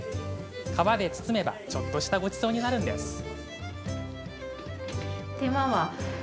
皮で包めば、ちょっとしたごちそうになるんです。